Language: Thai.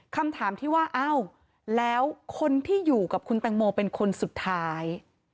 คำถามที่ว่าอ้าวแล้วคนที่อยู่กับคุณตังโมเป็นคนสุดท้าย